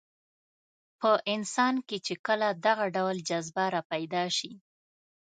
په انسان کې چې کله دغه ډول جذبه راپیدا شي.